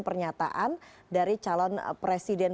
pernyataan dari calon presiden